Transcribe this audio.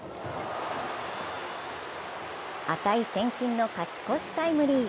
値千金の勝ち越しタイムリー。